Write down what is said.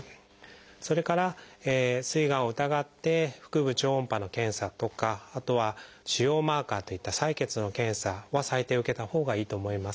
それからすいがんを疑って腹部超音波の検査とかあとは腫瘍マーカーといった採血の検査は最低受けたほうがいいと思います。